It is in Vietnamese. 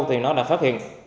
thì nó đã phát hiện